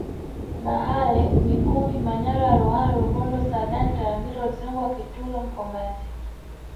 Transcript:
Mahale Mikumi Manyara Ruaha Rubondo saadan Tarangire Udzungwa Kitulo Mkomazi